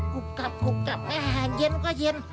กุกกับกุกกับแม่เย็นก็เย็น